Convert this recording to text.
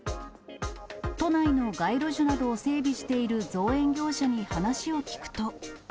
都内の街路樹などを整備している造園業者に話を聞くと。